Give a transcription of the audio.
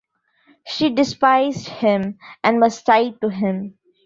She despised him, and was tied to him.